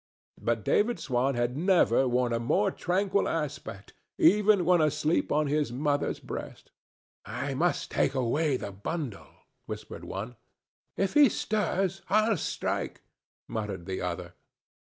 But David Swan had never worn a more tranquil aspect, even when asleep on his mother's breast. "I must take away the bundle," whispered one. "If he stirs, I'll strike," muttered the other.